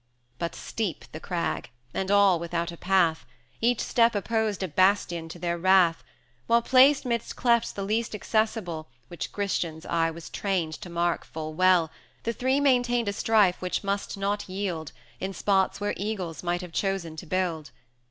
But steep the crag, and all without a path, Each step opposed a bastion to their wrath, While, placed 'midst clefts the least accessible, Which Christian's eye was trained to mark full well, 310 The three maintained a strife which must not yield, In spots where eagles might have chosen to build.